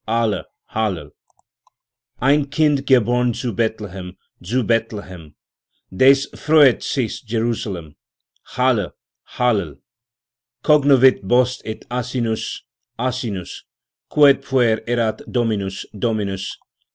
Halle, Hallcl, Ein Kind geborn 211 Bethlehem, Zu Bethlehem, Des frcuet sich Jerusalem. Halle, Hallcl. Cognovit bos et asinus, Asians, Quod Puer erat Dominus, Dominus.